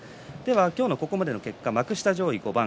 今日のここまでの結果幕下上位５番。